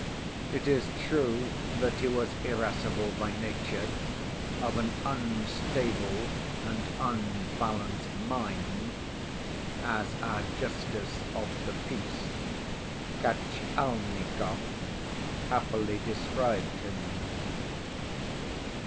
It is true that he was irascible by nature, "of an unstable and unbalanced mind," as our justice of the peace, Katchalnikov, happily described him.